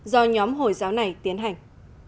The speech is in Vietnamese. do nhóm hồi giáo này tiến hành